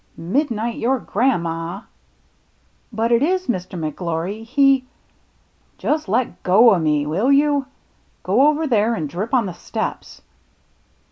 " Midnight your gran' ma !"" But it is. Mr. McGIory, he —"" Just let go o' me, will you ? Go over there and drip on the steps."